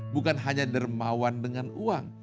bukan hanya dermawan dengan uang